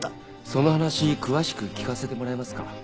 その話詳しく聞かせてもらえますか？